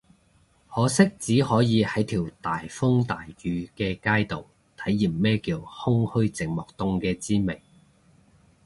可惜只可以喺條大風大雨嘅街度體驗咩叫空虛寂寞凍嘅滋味